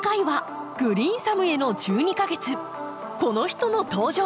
この人の登場です！